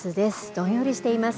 どんよりしています。